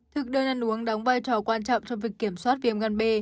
thực đơn ăn uống đóng vai trò quan trọng trong việc kiểm soát viêm gan b